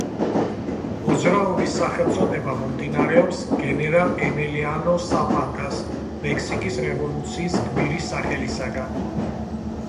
მოძრაობის სახელწოდება მომდინარეობს გენერალ ემილიანო საპატას, მექსიკის რევოლუციის გმირის სახელისაგან.